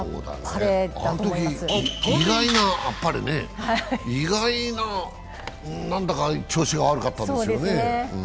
あのとき意外な、何だか調子が悪かったんですよね。